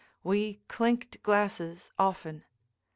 We clinked glasses often.